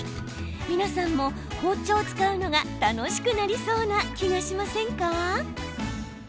皆さんも、包丁を使うのが楽しくなりそうな気がしませんか。